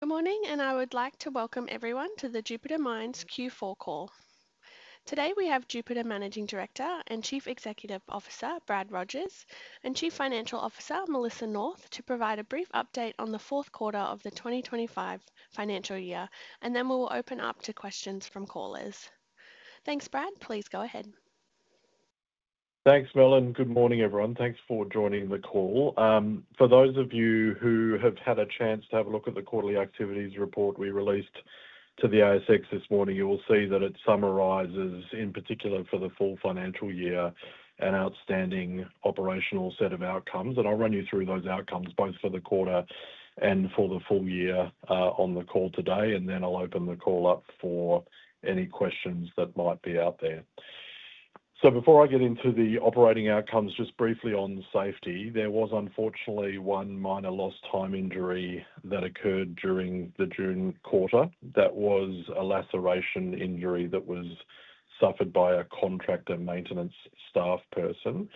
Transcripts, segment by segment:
Good morning, and I would like to welcome everyone to the Jupiter Mines Q4 call. Today, we have Jupiter Managing Director and Chief Executive Officer, Brad Rogers, and Chief Financial Officer, Melissa North, to provide a brief update on the fourth quarter of the 2025 financial year, and then we will open up to questions from callers. Thanks, Brad. Please go ahead. Thanks, Mel, and good morning, everyone. Thanks for joining the call. For those of you who have had a chance to have a look at the quarterly activities report we released to the ASX this morning, you will see that it summarizes, in particular for the full financial year, an outstanding operational set of outcomes. I'll run you through those outcomes both for the quarter and for the full year on the call today, and then I'll open the call up for any questions that might be out there. Before I get into the operating outcomes, just briefly on safety. There was, unfortunately, one minor lost time injury that occurred during the June quarter. That was a laceration injury that was suffered by a contractor maintenance staff person.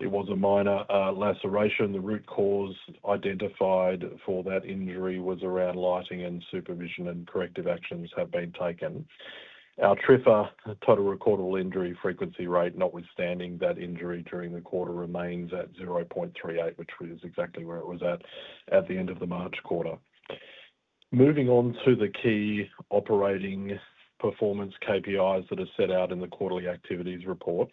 It was a minor laceration. The root cause identified for that injury was around lighting, and supervision and corrective actions have been taken. Our TRIFA, total recordable injury frequency rate, notwithstanding that injury during the quarter, remains at 0.38, which is exactly where it was at the end of the March quarter. Moving on to the key operating performance KPIs that are set out in the quarterly activities report.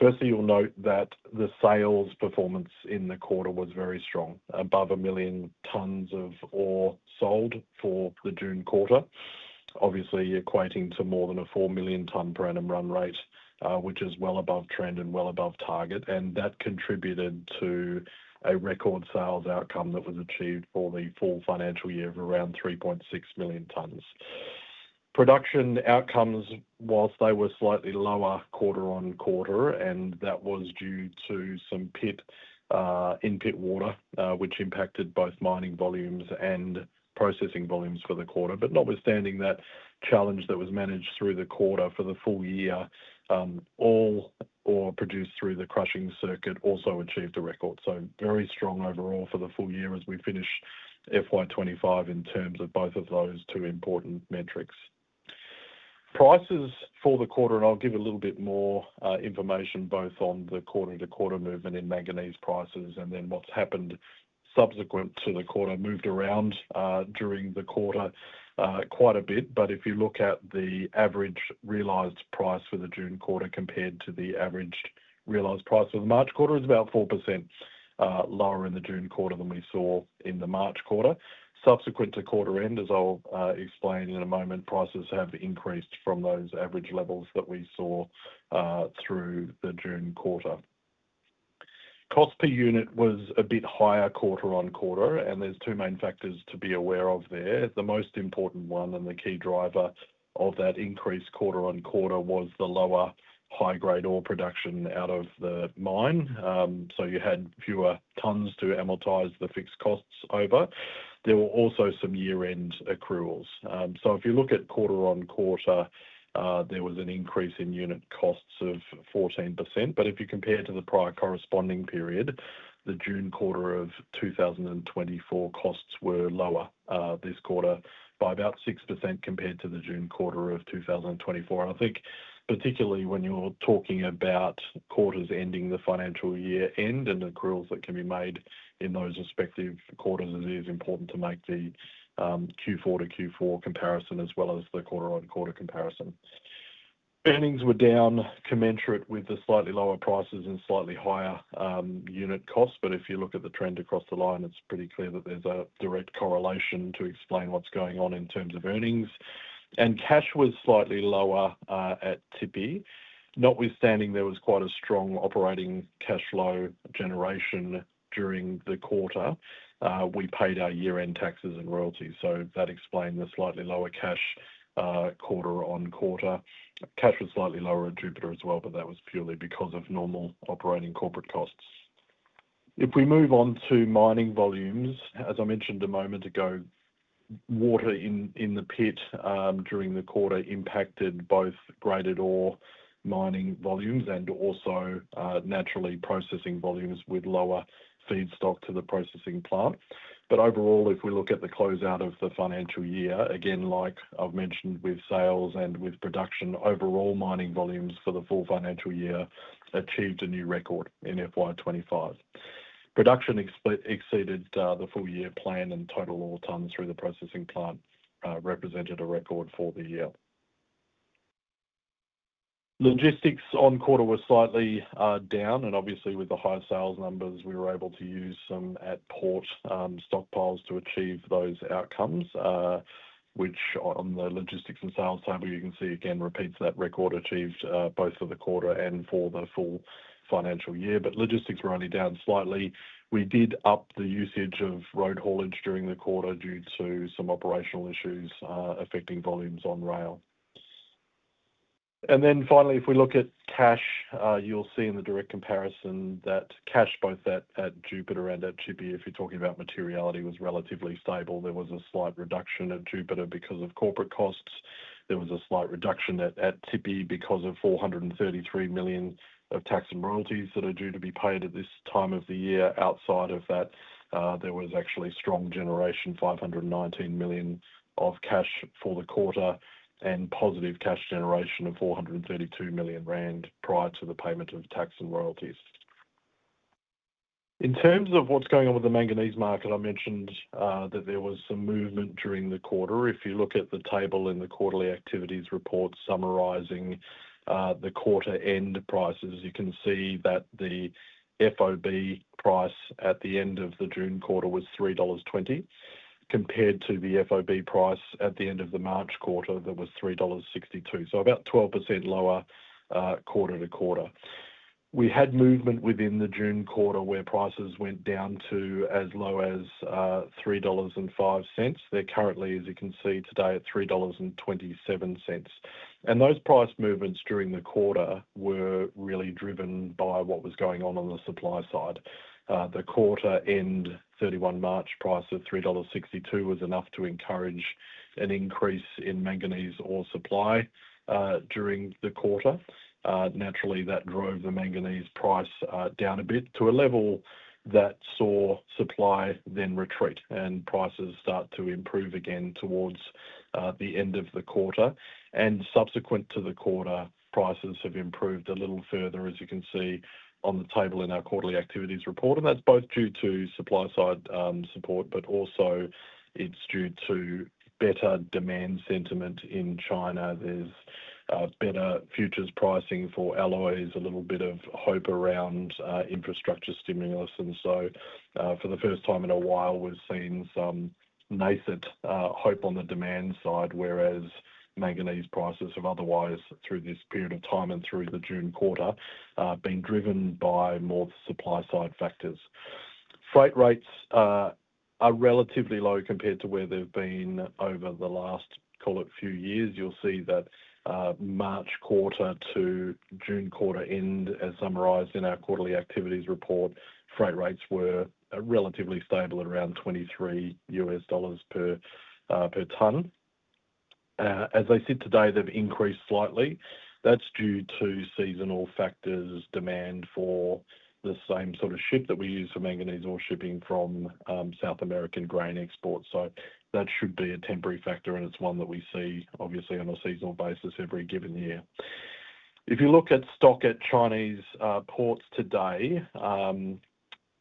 Firstly, you'll note that the sales performance in the quarter was very strong, above a million tonnes of ore sold for the June quarter, obviously equating to more than a 4 million-ton per annum run rate, which is well above trend and well above target. That contributed to a record sales outcome that was achieved for the full financial year of around 3.6 million tonnes. Production outcomes, whilst they were slightly lower quarter on quarter, and that was due to some in-pit water, which impacted both mining volumes and processing volumes for the quarter. Notwithstanding that, challenge that was managed through the quarter for the full year, all ore produced through the crushing circuit also achieved a record. Very strong overall for the full year as we finish FY2025 in terms of both of those two important metrics. Prices for the quarter, and I'll give a little bit more information both on the quarter-to-quarter movement in manganese prices and then what's happened subsequent to the quarter. It moved around during the quarter quite a bit, but if you look at the average realized price for the June quarter compared to the average realized price for the March quarter, it's about 4% lower in the June quarter than we saw in the March quarter. Subsequent to quarter end, as I'll explain in a moment, prices have increased from those average levels that we saw through the June quarter. Cost per unit was a bit higher quarter on quarter, and there's two main factors to be aware of there. The most important one and the key driver of that increase quarter on quarter was the lower high-grade ore production out of the mine. You had fewer tonnes to amortize the fixed costs over. There were also some year-end accruals. If you look at quarter on quarter, there was an increase in unit costs of 14%, but if you compare to the prior corresponding period, the June quarter of 2024, costs were lower this quarter by about 6% compared to the June quarter of 2024. I think particularly when you're talking about quarters ending the financial year end and accruals that can be made in those respective quarters, it is important to make the Q4 to Q4 comparison as well as the quarter on quarter comparison. Earnings were down, commensurate with the slightly lower prices and slightly higher unit costs. If you look at the trend across the line, it's pretty clear that there's a direct correlation to explain what's going on in terms of earnings. Cash was slightly lower at Tshipi. Notwithstanding, there was quite a strong operating cash flow generation during the quarter. We paid our year-end taxes and royalties, so that explained the slightly lower cash quarter on quarter. Cash was slightly lower at Jupiter as well, but that was purely because of normal operating corporate costs. If we move on to mining volumes, as I mentioned a moment ago, water in the pit during the quarter impacted both graded ore mining volumes and also naturally processing volumes with lower feedstock to the processing plant. Overall, if we look at the closeout of the financial year, again, like I've mentioned with sales and with production, overall mining volumes for the full financial year achieved a new record in FY2025. Production exceeded the full year plan, and total ore tonnes through the processing plant represented a record for the year. Logistics on quarter were slightly down, and obviously with the high sales numbers, we were able to use some at port stockpiles to achieve those outcomes, which on the logistics and sales table you can see again repeats that record achieved both for the quarter and for the full financial year, but logistics were only down slightly. We did up the usage of road haulage during the quarter due to some operational issues affecting volumes on rail. Finally, if we look at cash, you'll see in the direct comparison that cash both at Jupiter and at Tshipi, if you're talking about materiality, was relatively stable. There was a slight reduction at Jupiter because of corporate costs. There was a slight reduction at Tshipi because of R433 million of tax and royalties that are due to be paid at this time of the year. Outside of that, there was actually strong generation, R519 million of cash for the quarter, and positive cash generation of R432 million prior to the payment of tax and royalties. In terms of what's going on with the manganese market, I mentioned that there was some movement during the quarter. If you look at the table in the quarterly activities report summarizing the quarter end prices, you can see that the FOB price at the end of the June quarter was $3.20 compared to the FOB price at the end of the March quarter that was $3.62, about 12% lower quarter to quarter. We had movement within the June quarter where prices went down to as low as $3.05. They're currently, as you can see today, at $3.27. Those price movements during the quarter were really driven by what was going on on the supply side. The quarter end 31 March price of $3.62 was enough to encourage an increase in manganese ore supply during the quarter. Naturally, that drove the manganese price down a bit to a level that saw supply then retreat, and prices start to improve again towards the end of the quarter. Subsequent to the quarter, prices have improved a little further, as you can see on the table in our quarterly activities report. That's both due to supply side support, but also it's due to better demand sentiment in China. There's better futures pricing for alloys, a little bit of hope around infrastructure stimulus. For the first time in a while, we've seen some nascent hope on the demand side, whereas manganese prices have otherwise, through this period of time and through the June quarter, been driven by more supply side factors. Freight rates are relatively low compared to where they've been over the last, call it, few years. You'll see that March quarter to June quarter end, as summarized in our quarterly activities report, freight rates were relatively stable at around $23 per ton. As they sit today, they've increased slightly. That's due to seasonal factors, demand for the same sort of ship that we use for manganese ore shipping from South American grain exports. That should be a temporary factor, and it's one that we see, obviously, on a seasonal basis every given year. If you look at stock at Chinese ports today,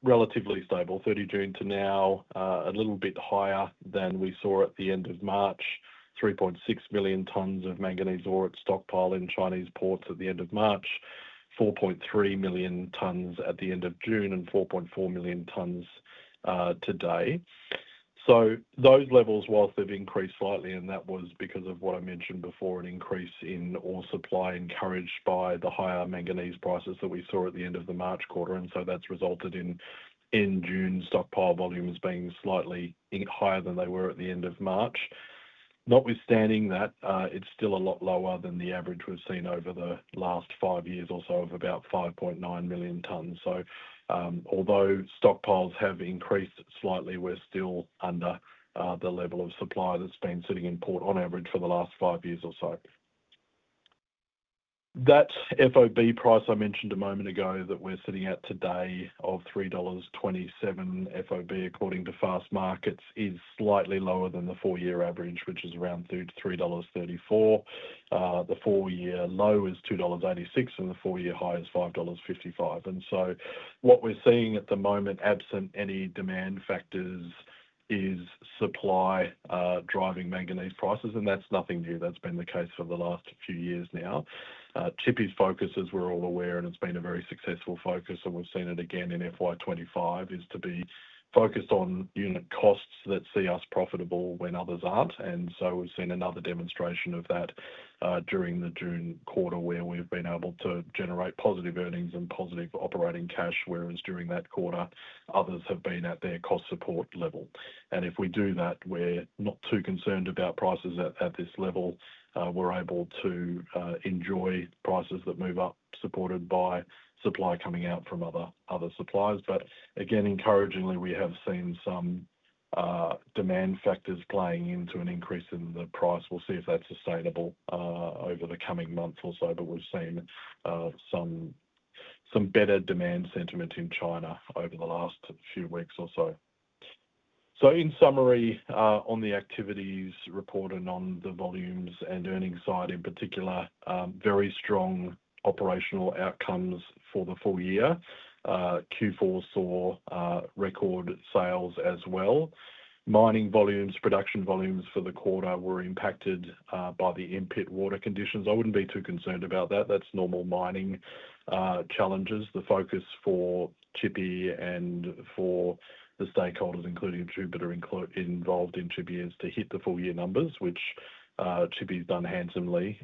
relatively stable, June 30 to now, a little bit higher than we saw at the end of March. 3.6 million tonnes of manganese ore at stockpile in Chinese ports at the end of March, 4.3 million tonnes at the end of June, and 4.4 million tonnes today. Those levels, while they've increased slightly, and that was because of what I mentioned before, an increase in ore supply encouraged by the higher manganese prices that we saw at the end of the March quarter. That has resulted in June stockpile volumes being slightly higher than they were at the end of March. Notwithstanding that, it's still a lot lower than the average we've seen over the last five years or so of about 5.9 million tonnes. Although stockpiles have increased slightly, we're still under the level of supply that's been sitting in port on average for the last five years or so. That FOB price I mentioned a moment ago that we're sitting at today of $3.27 FOB, according to FastMarkets, is slightly lower than the four-year average, which is around $3.34. The four-year low is $2.86, and the four-year high is $5.55. What we're seeing at the moment, absent any demand factors, is supply driving manganese prices, and that's nothing new. That's been the case for the last few years now. Tshipi's focus, as we're all aware, and it's been a very successful focus, and we've seen it again in FY2025, is to be focused on unit costs that see us profitable when others aren't. We've seen another demonstration of that during the June quarter where we've been able to generate positive earnings and positive operating cash, whereas during that quarter, others have been at their cost support level. If we do that, we're not too concerned about prices at this level. We're able to enjoy prices that move up supported by supply coming out from other suppliers. Again, encouragingly, we have seen some demand factors playing into an increase in the price. We'll see if that's sustainable over the coming month or so, but we've seen some better demand sentiment in China over the last few weeks or so. In summary, on the activities reported on the volumes and earnings side in particular, very strong operational outcomes for the full year. Q4 saw record sales as well. Mining volumes, production volumes for the quarter were impacted by the in-pit water conditions. I wouldn't be too concerned about that. That's normal mining challenges. The focus for Tshipi and for the stakeholders, including Jupiter involved in Tshipi, is to hit the full year numbers, which Tshipi's done handsomely,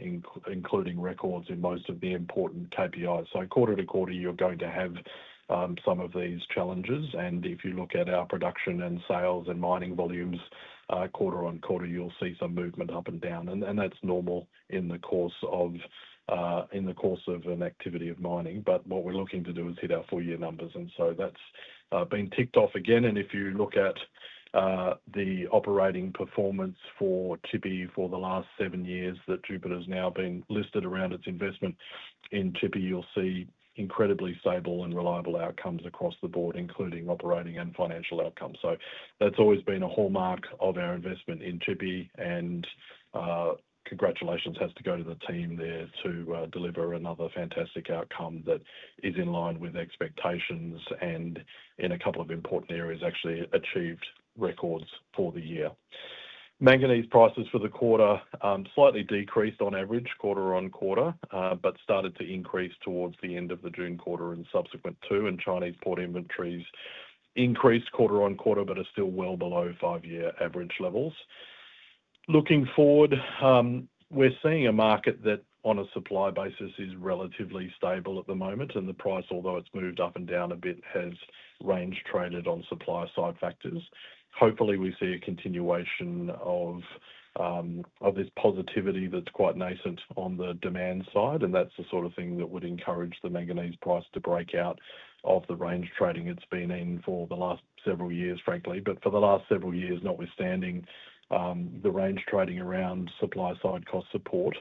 including records in most of the important KPIs. Quarter to quarter, you're going to have some of these challenges. If you look at our production and sales and mining volumes quarter on quarter, you'll see some movement up and down. That's normal in the course of an activity of mining. What we're looking to do is hit our full year numbers. That's been ticked off again. If you look at the operating performance for Tshipi for the last seven years that Jupiter's now been listed around its investment in Tshipi, you'll see incredibly stable and reliable outcomes across the board, including operating and financial outcomes. That's always been a hallmark of our investment in Tshipi. Congratulations has to go to the team there to deliver another fantastic outcome that is in line with expectations and in a couple of important areas actually achieved records for the year. Manganese prices for the quarter slightly decreased on average quarter on quarter, but started to increase towards the end of the June quarter and subsequent to. Chinese port inventories increased quarter on quarter, but are still well below five-year average levels. Looking forward, we're seeing a market that on a supply basis is relatively stable at the moment. The price, although it's moved up and down a bit, has range traded on supply side factors. Hopefully, we see a continuation of this positivity that's quite nascent on the demand side. That's the sort of thing that would encourage the manganese price to break out of the range trading it's been in for the last several years, frankly. For the last several years, notwithstanding the range trading around supply side cost support,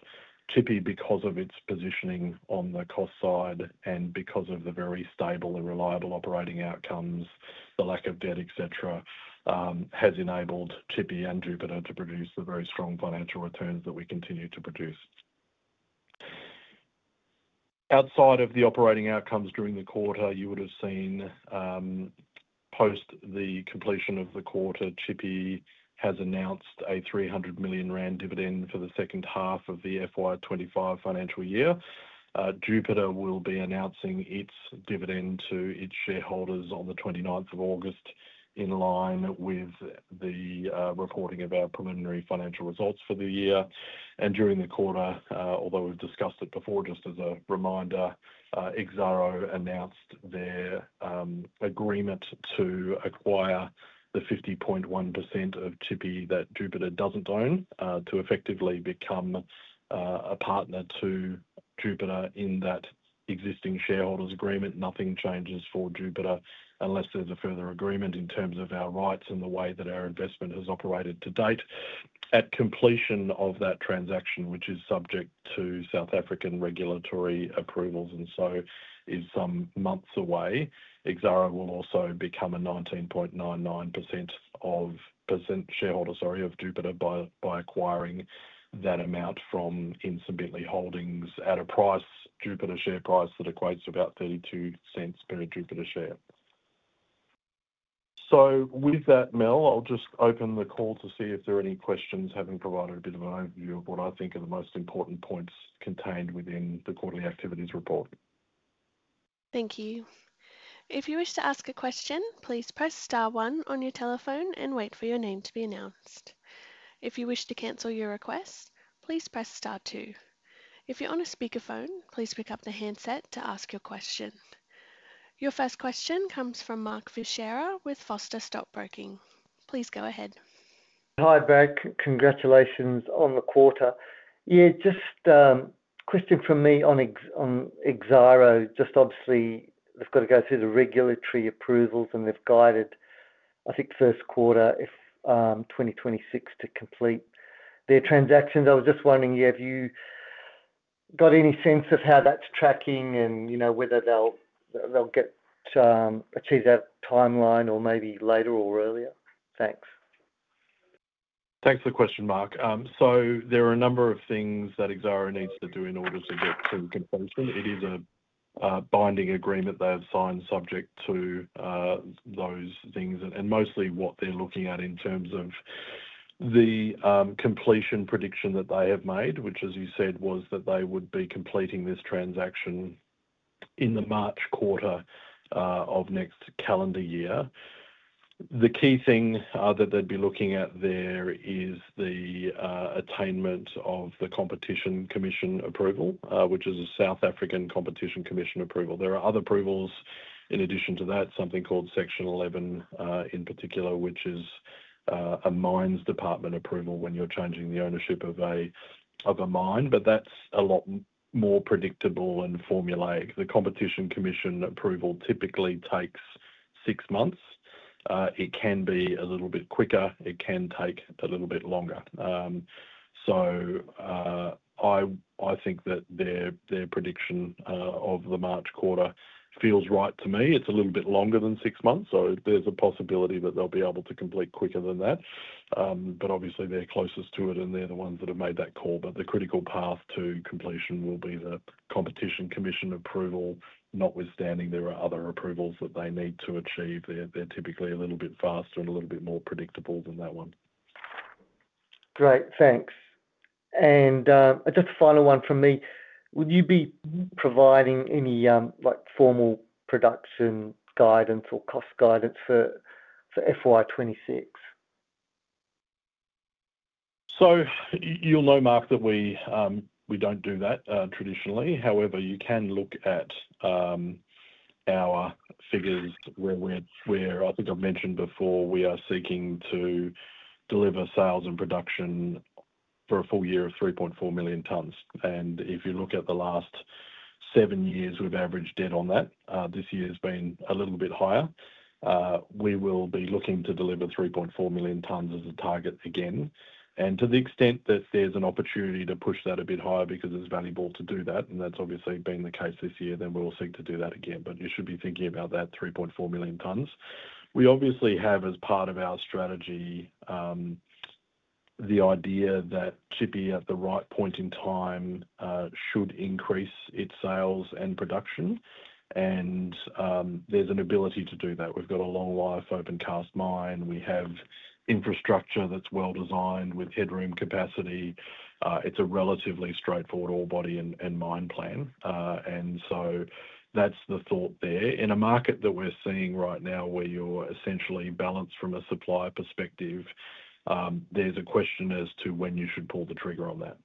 Tshipi, because of its positioning on the cost side and because of the very stable and reliable operating outcomes, the lack of debt, etc., has enabled Tshipi and Jupiter to produce the very strong financial returns that we continue to produce. Outside of the operating outcomes during the quarter, you would have seen post the completion of the quarter, Tshipi has announced a 300 million rand dividend for the second half of the FY2025 financial year. Jupiter will be announcing its dividend to its shareholders on the 29th of August in line with the reporting of our preliminary financial results for the year. During the quarter, although we've discussed it before, just as a reminder, Exxaro announced their agreement to acquire the 50.1% of Tshipi that Jupiter doesn't own to effectively become a partner to Jupiter in that existing shareholders' agreement. Nothing changes for Jupiter unless there's a further agreement in terms of our rights and the way that our investment has operated to date. At completion of that transaction, which is subject to South African regulatory approvals and is some months away, Exxaro will also become a 19.99% shareholder of Jupiter by acquiring that amount from Ntsimbintle Holdings at a Jupiter share price that equates to about $0.32 per Jupiter share. With that, Mel, I'll just open the call to see if there are any questions, having provided a bit of an overview of what I think are the most important points contained within the quarterly activities report. Thank you. If you wish to ask a question, please press star one on your telephone and wait for your name to be announced. If you wish to cancel your request, please press star two. If you're on a speakerphone, please pick up the handset to ask your question. Your first question comes from Mark Fuchera with Foster Stockbroking. Please go ahead. Hi Brad, congratulations on the quarter. Just a question from me on Exxaro. Obviously, they've got to go through the regulatory approvals and they've guided, I think, first quarter of 2026 to complete their transactions. I was just wondering, have you got any sense of how that's tracking and whether they'll achieve that timeline or maybe later or earlier? Thanks. Thanks for the question, Mark. There are a number of things that Exxaro needs to do in order to get to completion. It is a binding agreement they have signed subject to those things, and mostly what they're looking at in terms of the completion prediction that they have made, which as you said was that they would be completing this transaction in the March quarter of next calendar year. The key thing that they'd be looking at there is the attainment of the Competition Commission approval, which is a South African Competition Commission approval. There are other approvals in addition to that, something called Section 11 in particular, which is a Mines Department approval when you're changing the ownership of a mine, but that's a lot more predictable and formulaic. The Competition Commission approval typically takes six months. It can be a little bit quicker. It can take a little bit longer. I think that their prediction of the March quarter feels right to me. It's a little bit longer than six months, so there's a possibility that they'll be able to complete quicker than that. Obviously, they're closest to it and they're the ones that have made that call. The critical path to completion will be the Competition Commission approval, notwithstanding there are other approvals that they need to achieve. They're typically a little bit faster and a little bit more predictable than that one. Great, thanks. Just a final one from me. Would you be providing any formal production guidance or cost guidance for FY2026? You know, Mark, that we don't do that traditionally. However, you can look at our figures where, as I think I've mentioned before, we are seeking to deliver sales and production for a full year of 3.4 million tonnes. If you look at the last seven years, we've averaged dead on that. This year has been a little bit higher. We will be looking to deliver 3.4 million tonnes as a target again. To the extent that there's an opportunity to push that a bit higher because it's valuable to do that, and that's obviously been the case this year, we will seek to do that again. You should be thinking about that 3.4 million tonnes. We obviously have as part of our strategy the idea that Tshipi at the right point in time should increase its sales and production. There's an ability to do that. We've got a long life open cast mine. We have infrastructure that's well designed with headroom capacity. It's a relatively straightforward ore body and mine plan. That's the thought there. In a market that we're seeing right now where you're essentially balanced from a supply perspective, there's a question as to when you should pull the trigger on that.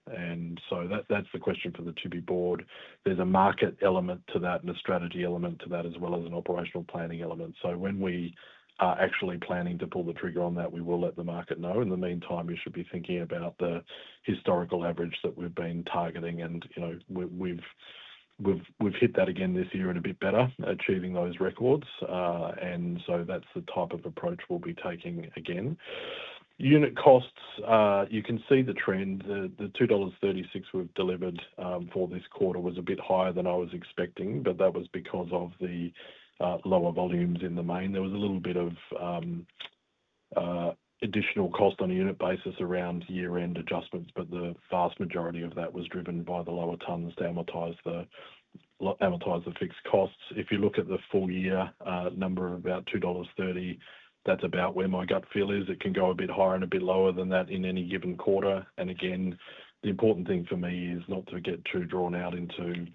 That's the question for the Tshipi board. There's a market element to that and a strategy element to that as well as an operational planning element. When we are actually planning to pull the trigger on that, we will let the market know. In the meantime, you should be thinking about the historical average that we've been targeting. You know we've hit that again this year and a bit better, achieving those records. That's the type of approach we'll be taking again. Unit costs, you can see the trend. The $2.36 we've delivered for this quarter was a bit higher than I was expecting, but that was because of the lower volumes in the main. There was a little bit of additional cost on a unit basis around year-end adjustments, but the vast majority of that was driven by the lower tonnes to amortize the fixed costs. If you look at the full year number of about $2.30, that's about where my gut feel is. It can go a bit higher and a bit lower than that in any given quarter. The important thing for me is not to get too drawn out into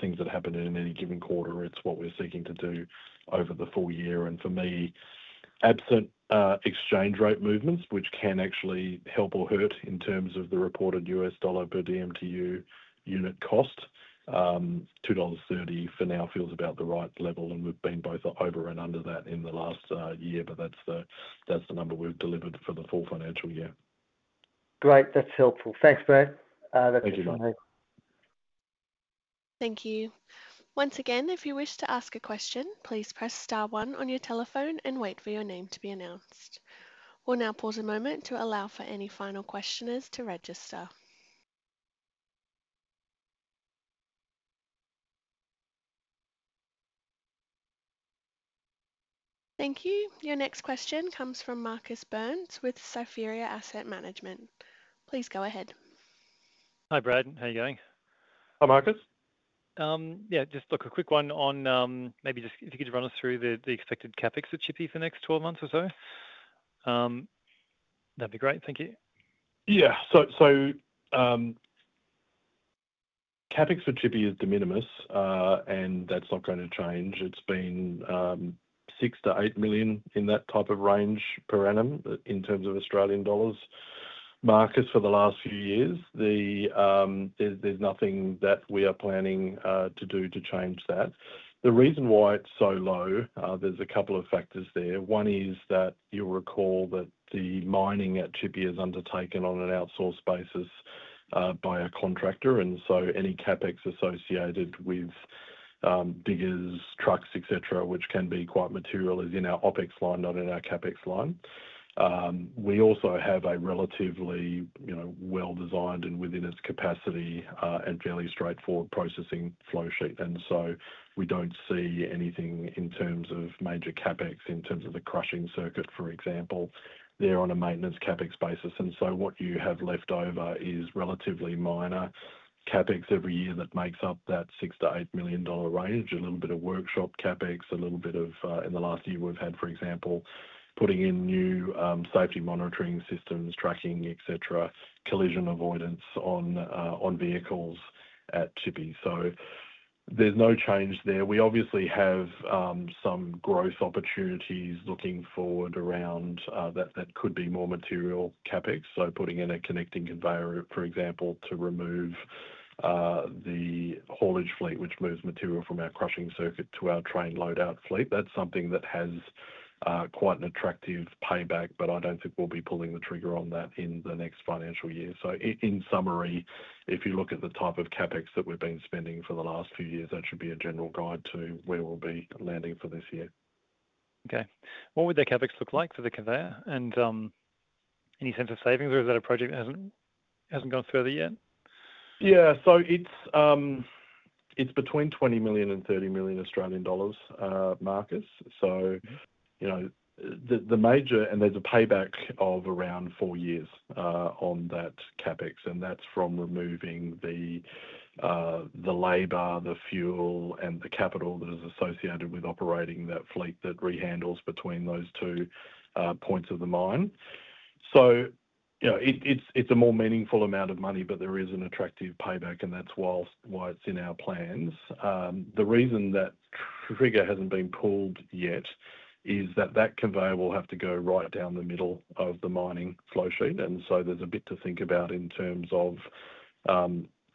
things that happen in any given quarter. It's what we're seeking to do over the full year. For me, absent exchange rate movements, which can actually help or hurt in terms of the reported U.S. dollar per DMTU unit cost, $2.30 for now feels about the right level. We've been both over and under that in the last year, but that's the number we've delivered for the full financial year. Great, that's helpful. Thanks, Brad. Thank you. Once again, if you wish to ask a question, please press star one on your telephone and wait for your name to be announced. We'll now pause a moment to allow for any final questioners to register. Thank you. Your next question comes from Marcus Burns with Sophia Asset Management. Please go ahead. Hi Brad, how are you going? Hi Marcus. Yeah, just look, a quick one on maybe just if you could run us through the expected capex at Tshipi for the next 12 months or so. That'd be great, thank you. Yeah, so capex for Tshipi is de minimis, and that's not going to change. It's been $6-$8 million in that type of range per annum in terms of Australian dollars. Marcus, for the last few years, there's nothing that we are planning to do to change that. The reason why it's so low, there's a couple of factors there. One is that you'll recall that the mining at Tshipi is undertaken on an outsourced basis by a contractor, and so any capex associated with diggers, trucks, etc., which can be quite material, is in our OpEx line, not in our capex line. We also have a relatively well-designed and within its capacity and fairly straightforward processing flow sheet, and we don't see anything in terms of major capex in terms of the crushing circuit, for example. They're on a maintenance capex basis, and what you have left over is relatively minor capex every year that makes up that $6-$8 million range. A little bit of workshop capex, a little bit of in the last year we've had, for example, putting in new safety monitoring systems, tracking, etc., collision avoidance on vehicles at Tshipi. There's no change there. We obviously have some growth opportunities looking forward around that that could be more material capex. For example, putting in a connecting conveyor to remove the haulage fleet, which moves material from our crushing circuit to our train loadout fleet. That's something that has quite an attractive payback, but I don't think we'll be pulling the trigger on that in the next financial year. In summary, if you look at the type of capex that we've been spending for the last few years, that should be a general guide to where we'll be landing for this year. Okay. What would the capex look like for the conveyor? Any sense of savings, or is that a project that hasn't gone further yet? Yeah, so it's between $20 million and $30 million Australian dollars, Marcus. You know the major, and there's a payback of around four years on that capex. That's from removing the labor, the fuel, and the capital that is associated with operating that fleet that re-handles between those two points of the mine. It's a more meaningful amount of money, but there is an attractive payback, and that's why it's in our plans. The reason that the trigger hasn't been pulled yet is that that conveyor will have to go right down the middle of the mining flow sheet. There's a bit to think about in terms of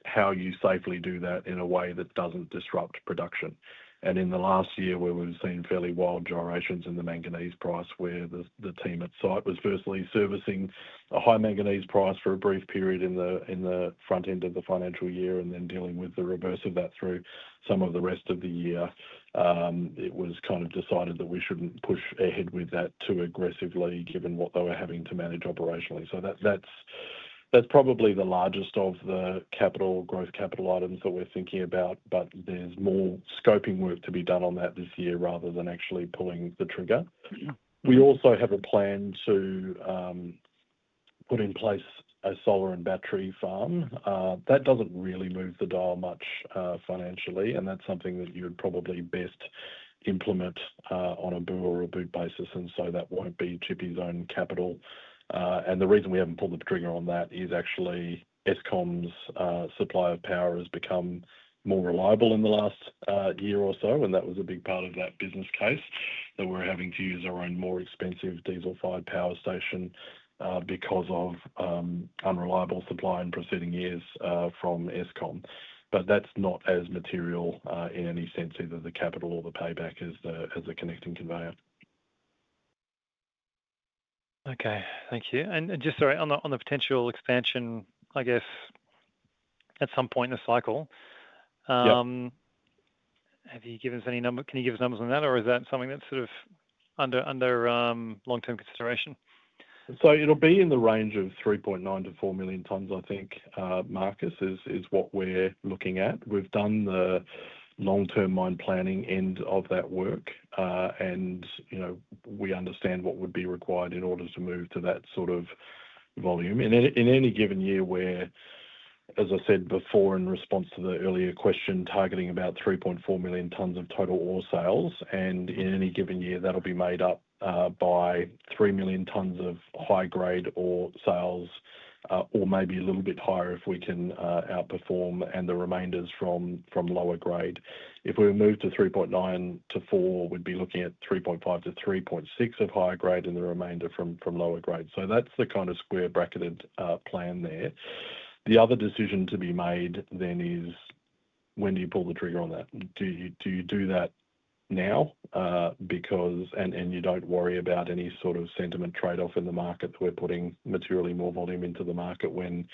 how you safely do that in a way that doesn't disrupt production. In the last year, where we've seen fairly wild generations in the manganese price, the team at site was firstly servicing a high manganese price for a brief period in the front end of the financial year and then dealing with the reverse of that through some of the rest of the year. It was kind of decided that we shouldn't push ahead with that too aggressively given what they were having to manage operationally. That's probably the largest of the capital growth capital items that we're thinking about, but there's more scoping work to be done on that this year rather than actually pulling the trigger. We also have a plan to put in place a solar and battery farm. That doesn't really move the dial much financially, and that's something that you would probably best implement on a bureau or a BOOT basis. That won't be Tshipi's own capital. The reason we haven't pulled the trigger on that is actually Eskom's supply of power has become more reliable in the last year or so, and that was a big part of that business case that we're having to use our own more expensive diesel-fired power station because of unreliable supply in preceding years from Eskom. That's not as material in any sense, either the capital or the payback, as the connecting conveyor. Thank you. On the potential expansion, at some point in the cycle, have you given us any number? Can you give us numbers on that, or is that something that's under long-term consideration? It'll be in the range of 3.9-4 million tonnes, I think, Marcus, is what we're looking at. We've done the long-term mine planning end of that work, and we understand what would be required in order to move to that sort of volume. In any given year where, as I said before in response to the earlier question, targeting about 3.4 million tonnes of total ore sales, in any given year that'll be made up by 3 million tonnes of high-grade ore sales, or maybe a little bit higher if we can outperform, and the remainder is from lower grade. If we move to 3.9-4, we'd be looking at 3.5-3.6 of higher grade and the remainder from lower grade. That's the kind of square bracketed plan there. The other decision to be made then is when do you pull the trigger on that? Do you do that now, and you don't worry about any sort of sentiment trade-off in the markets? We're putting materially more volume into the market when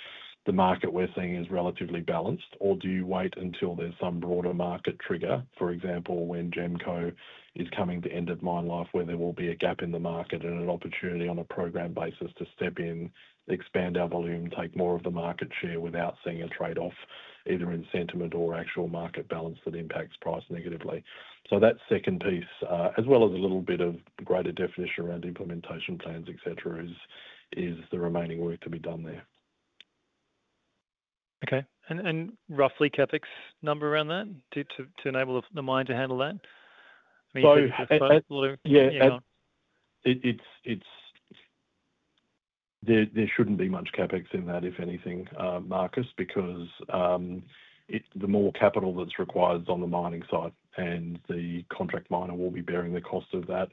the market we're seeing is relatively balanced, or do you wait until there's some broader market trigger, for example, when Gemco is coming to end of mine life where there will be a gap in the market and an opportunity on a program basis to step in, expand our volume, take more of the market share without seeing a trade-off either in sentiment or actual market balance that impacts price negatively. That second piece, as well as a little bit of greater definition around implementation plans, etc., is the remaining work to be done there. Okay. Roughly, capex number around that to enable the mine to handle that? There shouldn't be much capex in that, if anything, Marcus, because the more capital that's required is on the mining side, and the contract miner will be bearing the cost of that.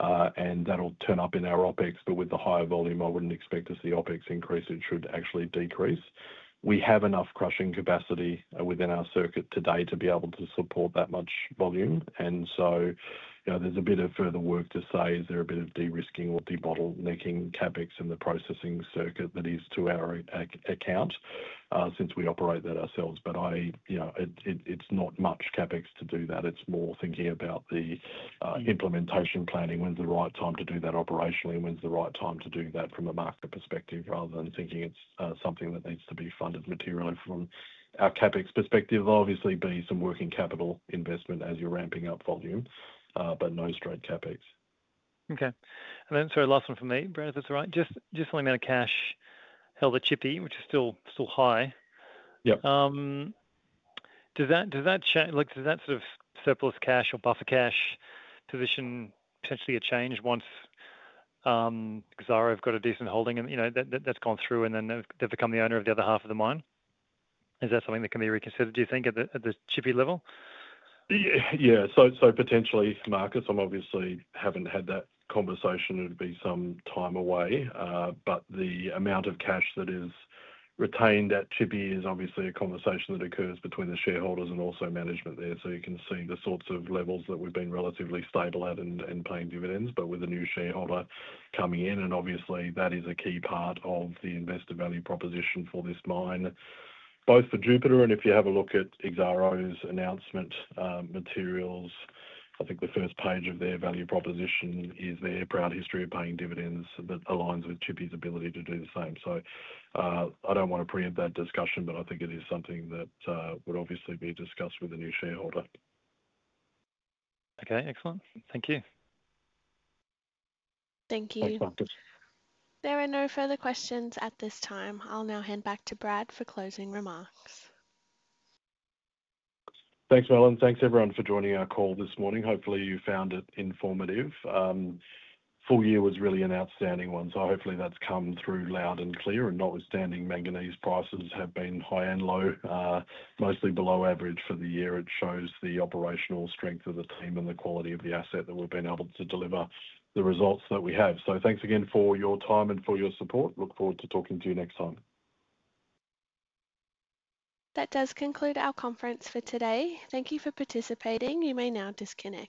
That'll turn up in our OpEx, but with the higher volume, I wouldn't expect to see OpEx increase. It should actually decrease. We have enough crushing capacity within our circuit today to be able to support that much volume. There's a bit of further work to say, is there a bit of de-risking or debottlenecking capex in the processing circuit that is to our account since we operate that ourselves? It's not much capex to do that. It's more thinking about the implementation planning. When's the right time to do that operationally? When's the right time to do that from a market perspective rather than thinking it's something that needs to be funded materially from our capex perspective? There'll obviously be some working capital investment as you're ramping up volume, but no straight capex. Okay. Sorry, last one from me, Brad, if that's all right. Just something about cash held at Tshipi, which is still high. Yep. Does that sort of surplus cash or buffer cash position potentially change once Exxaro have got a decent holding and, you know, that's gone through and then they've become the owner of the other half of the mine? Is that something that can be reconsidered, do you think, at the Tshipi level? Yeah, potentially, Marcus, I obviously haven't had that conversation. It'd be some time away. The amount of cash that is retained at Tshipi is obviously a conversation that occurs between the shareholders and also management there. You can see the sorts of levels that we've been relatively stable at and paying dividends, with a new shareholder coming in, and obviously that is a key part of the investor value proposition for this mine. Both for Jupiter and if you have a look at Exxaro's announcement materials, I think the first page of their value proposition is their proud history of paying dividends that aligns with Tshipi's ability to do the same. I don't want to preempt that discussion, but I think it is something that would obviously be discussed with a new shareholder. Okay, excellent. Thank you. Thank you. There are no further questions at this time. I'll now hand back to Brad for closing remarks. Thanks, Mel, and thanks everyone for joining our call this morning. Hopefully, you found it informative. The full year was really an outstanding one, so hopefully that's come through loud and clear. Notwithstanding, manganese prices have been high and low, mostly below average for the year. It shows the operational strength of the team and the quality of the asset that we've been able to deliver the results that we have. Thanks again for your time and for your support. Look forward to talking to you next time. That does conclude our conference for today. Thank you for participating. You may now disconnect.